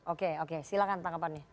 oke oke silakan pak kapani